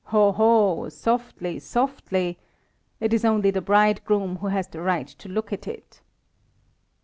"Ho, ho! Softly, softly! It is only the bridegroom who has the right to look at it."